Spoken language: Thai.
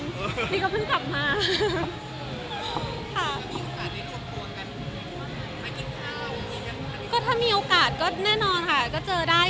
พี่กำเบิ้นกำมาแค่ก็ทำให้มีโอกาสได้ครบโคลนก็เจอได้